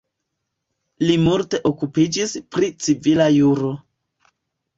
Li multe okupiĝis pri civila juro.